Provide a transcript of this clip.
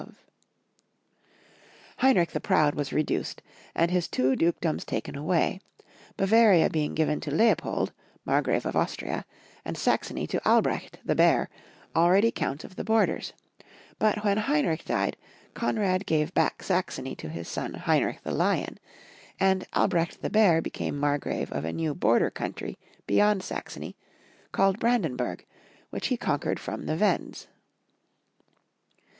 Hein * Daughter of George IIL T WCINSBHHO. Conrad HI. 125 rich the Proud was reduced, and his two dukedoms taken away, Bavaria being given to Leopold, Mar grave of Austria, and Saxony to Albrecht* the Bear, already Count of the Borders ; but when Heinrieh died, Konrad gave back Saxony to his son. Heinrieh the Lion, and Albrecht the Bear be came Margrave of a new border country beyond Saxony, called Brandenburg, which he conquered from the Wends.